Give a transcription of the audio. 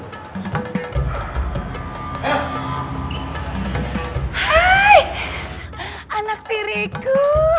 hai anak tiriku